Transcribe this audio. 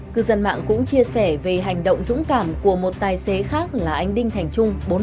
cư dân mạng cũng chia sẻ về hành động dũng cảm của một tài xế khác là anh đinh thành trung